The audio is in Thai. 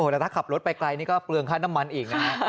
ถ้าขับรถไปไกลนี่ก็เปลืองค่อนมันอีก